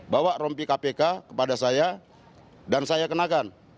bawa rompi kpk kepada saya dan saya kenakan